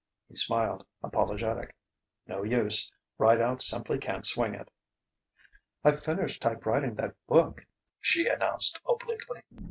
He smiled, apologetic: "No use; Rideout simply can't swing it." "I've finished type writing that book," she announced obliquely.